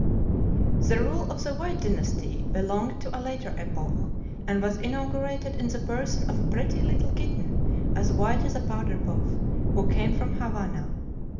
"The rule of the 'White Dynasty' belonged to a later epoch, and was inaugurated in the person of a pretty little kitten as white as a powder puff, who came from Havana.